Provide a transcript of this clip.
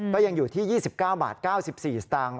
ก็ยังอยู่ที่๒๙บาท๙๔สตางค์